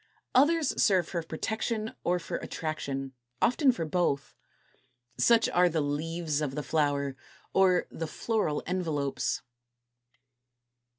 Others serve for protection or for attraction, often for both. Such are the leaves of the Flower, or the Floral Envelopes.